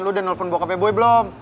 lo udah nelfon bokapnya boy belum